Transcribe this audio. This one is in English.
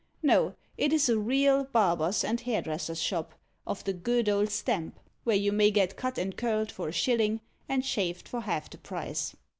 No, it is a real barber's and hairdresser's shop, of the good old stamp, where you may get cut and curled for a shilling, and shaved for half the price.